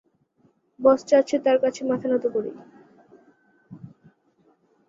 বস চাচ্ছে তার কাছে মাথা নত করি।